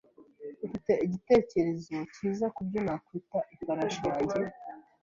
Ufite igitekerezo cyiza kubyo nakwita ifarashi yanjye?